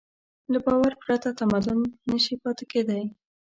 له باور پرته تمدن نهشي پاتې کېدی.